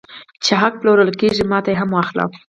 چې حق پلورل کېږي ماته یې هم واخله